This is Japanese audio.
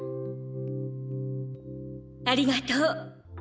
ありがとう。